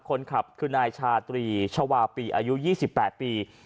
คนขับคือนายชาตรีชาวาปีอายุ๒๘ปี